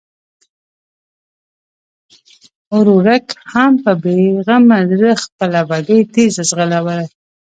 ورورک هم په بېغمه زړه خپله بګۍ تېزه ځغلوي.